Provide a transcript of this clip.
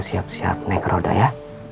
siap siap naik roda ya